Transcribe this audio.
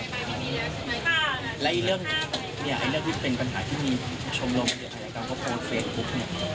แล้วอีกเรื่องเนี่ยไอ้นักวิทย์เป็นปัญหาที่มีชมลงกับการพูดเฟสพุคเนี่ย